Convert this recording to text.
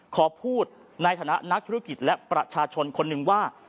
ขอพูดในฐานะนักธุรกิจและประชาชนคนหนึ่งว่า